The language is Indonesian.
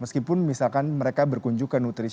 meskipun misalkan mereka berkunjung ke nutrisi